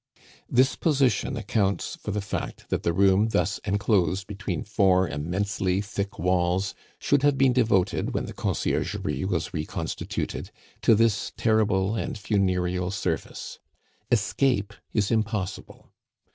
This position accounts for the fact that the room thus enclosed between four immensely thick walls should have been devoted, when the Conciergerie was reconstituted, to this terrible and funereal service. Escape is impossible.